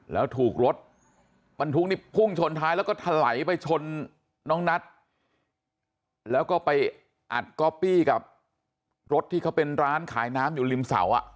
แล้วถูกรถบรรทุกนี่พุ่งชนท้ายแล้วก็ถลายไปชนน้องนัทแล้วก็ไปอัดก๊อปปี้กับรถที่เขาเป็นร้านขายน้ำอยู่ริมเสาอ่ะ